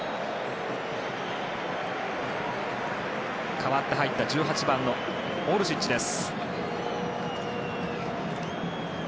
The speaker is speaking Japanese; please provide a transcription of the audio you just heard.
代わって入った１８番のオルシッチです。